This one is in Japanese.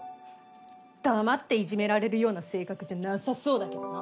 黙っていじめられるような性格じゃなさそうだけどな。